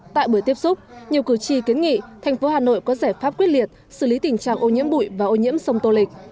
tại buổi tiếp xúc nhiều cử tri kiến nghị thành phố hà nội có giải pháp quyết liệt xử lý tình trạng ô nhiễm bụi và ô nhiễm sông tô lịch